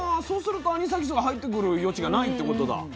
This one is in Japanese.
そうするとアニサキスが入ってくる余地がないってことだ。